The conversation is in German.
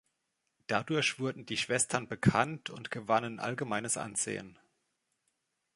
Dadurch wurden die Schwestern bekannt und gewannen allgemeines Ansehen.